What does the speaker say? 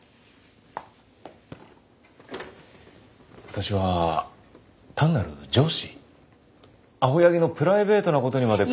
私は単なる上司青柳のプライベートなことにまで。